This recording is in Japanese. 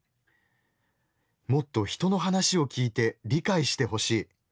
「もっと人の話を聞いて理解してほしい。